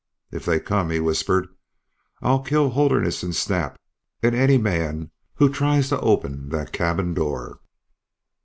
"If they come," he whispered, "I'll kill Holderness and Snap and any man who tries to open that cabin door."